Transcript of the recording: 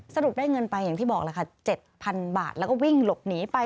สรุปได้เงินไปอย่างที่บอกล่ะค่ะ๗๐๐บาทแล้วก็วิ่งหลบหนีไป